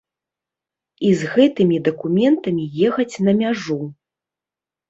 І з гэтымі дакументамі ехаць на мяжу.